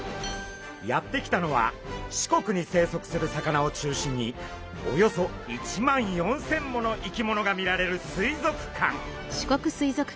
やって来たのは四国に生息する魚を中心におよそ１万４，０００もの生き物が見られる水族館！